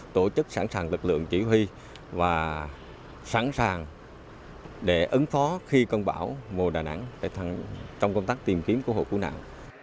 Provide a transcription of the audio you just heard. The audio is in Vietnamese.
tổ chức sẵn sàng lực lượng chỉ huy và sẵn sàng để ứng phó khi cơn bão mùa đà nẵng phải trong công tác tìm kiếm cứu hộ cứu nạn